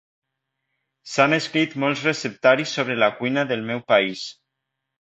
S'han escrit molts receptaris sobre la cuina del meu país